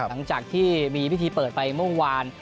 หลังจากที่มีพิธีเปิดไปเมื่อวาน